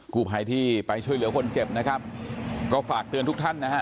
กู้ภัยที่ไปช่วยเหลือคนเจ็บนะครับก็ฝากเตือนทุกท่านนะฮะ